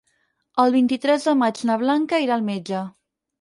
El vint-i-tres de maig na Blanca irà al metge.